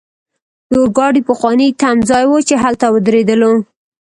د اورګاډي پخوانی تمځای وو، چې هلته ودریدلو.